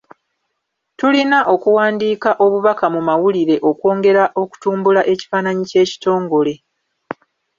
Tulina okuwandiika obubaka mu mawulire okwongera okutumbula ekifaananyi ky’ekitongole.